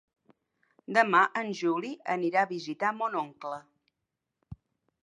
Demà en Juli anirà a visitar mon oncle.